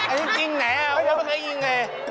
อันนี้จริงไหนไม่เคยยิงไง